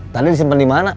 tadi disimpan dimana